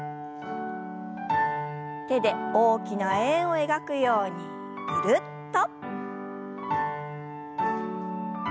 手で大きな円を描くようにぐるっと。